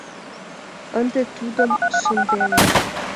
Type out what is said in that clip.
Ынде тудым шынденыт.